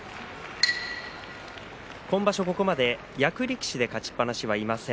今場所、ここまでに役力士で勝ちっぱなしはいません。